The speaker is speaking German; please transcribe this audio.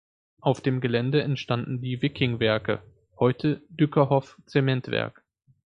Auf dem Gelände entstanden die "Wicking-Werke", heute Dyckerhoff-Zementwerk.